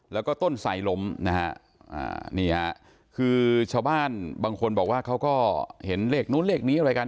แล้วก็ต้นไสล้มนะฮะนี่ฮะคือชาวบ้านบางคนบอกว่าเขาก็เห็นเลขนู้นเลขนี้อะไรกัน